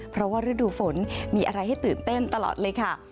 เพราะว่าฤดูฝนมีอะไรให้ตื่นเต้นตลอดเลยค่ะ